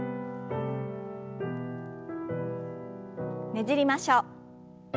ねじりましょう。